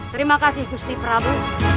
terima kasih gusti prabu